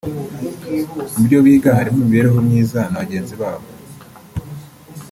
Mu byo biga harimo imibereho myiza na bagenzi babo